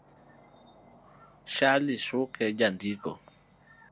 Shali Shuke - Jandiko